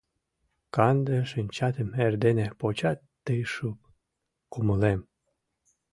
Канде шинчатым Эрдене почат тый шып, Кумылем!